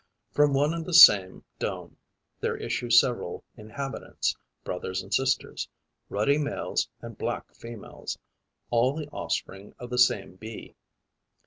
From one and the same dome there issue several inhabitants, brothers and sisters, ruddy males and black females, all the offspring of the same Bee.